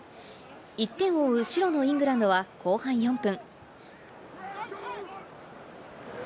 １点を追う白のイングランドは後半４分。